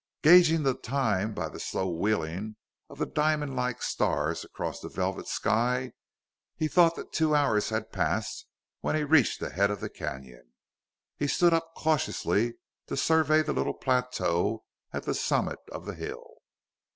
Gauging the time by the slow wheeling of the diamond like stars across the velvet sky, he thought that two hours had passed when he reached the head of the canyon. He stood up cautiously to survey the little plateau at the summit of the hill.